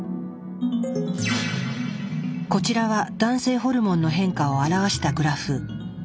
こちらは男性ホルモンの変化を表したグラフ。